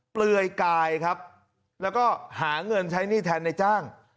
เปลือยกายครับแล้วก็หาเงินใช้หนี้แทนในจ้าง